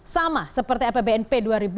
sama seperti apbnp dua ribu enam belas